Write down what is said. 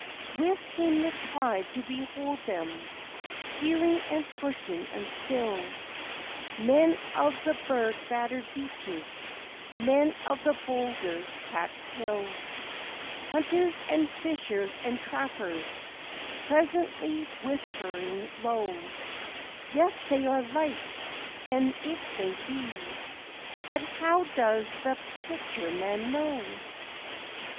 Swift came the tribe to behold them, peering and pushing and still Men of the berg battered beaches, men of the boulder hatched hill, Hunters and fishers and trappers presently whispering low; "Yea, they are like and it may be.... But how does the Picture man know?